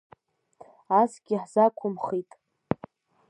Асгьы ҳзақәымхит…